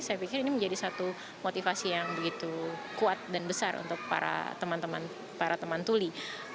saya pikir ini menjadi satu motivasi yang begitu kuat dan besar untuk para teman teman para teman tuli